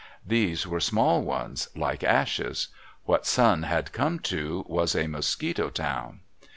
These were small ones, like ashes. What Sun had come to was a Mosquito town.